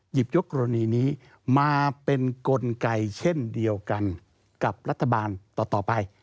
ยกกรณีนี้มาเป็นกลไกเช่นเดียวกันกับรัฐบาลต่อไป